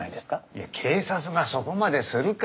いや警察がそこまでするかね？